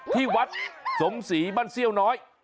ที่วัดสมศรีบ้านเซี่ยวน้อย